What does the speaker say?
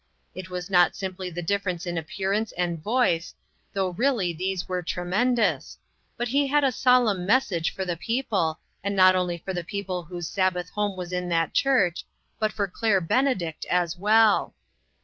It was not simply the difference in appearance and voice, though really these were tremendous, but he had a solemn message for the people, and not only for the people whose Sabbath home was in that church, but for Claire Benedict as well.